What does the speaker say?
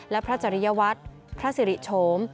และพระจริยวัตรพระสิริโฉม